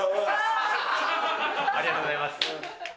ありがとうございます。